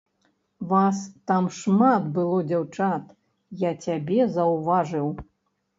Вас там шмат было дзяўчат, я цябе заўважыў.